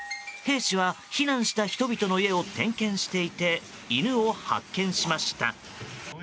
兵士は避難した人々の家を点検していて犬を発見しました。